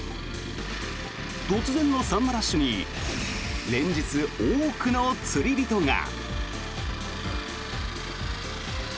突然のサンマラッシュに連日、多くの釣り人が。